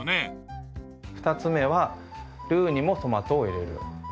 ２つ目はルーにもトマトを入れる。